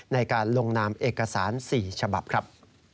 ในการลงนามเอกสาร๔ฉบับครับ